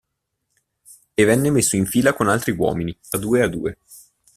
E venne messo in fila con altri uomini, a due a due.